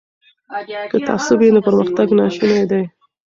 که تعصب وي نو پرمختګ ناشونی دی.